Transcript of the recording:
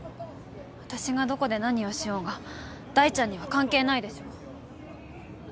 私がどこで何をしようが大ちゃんには関係ないでしょ。